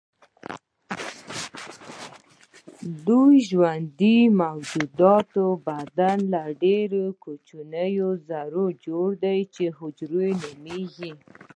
د ژوندیو موجوداتو بدن له ډیرو کوچنیو ذرو جوړ دی چې حجره نومیږي